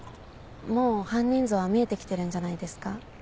もう犯人像は見えて来てるんじゃないですか？